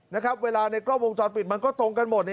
นะครับเวลาในกล้องวงจรปิดมันก็ตรงกันหมด